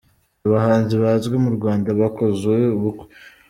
Abahanzi bazwi mu Rwanda bakoze ubukwe.